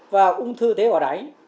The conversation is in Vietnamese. và ung thư tế bào đáy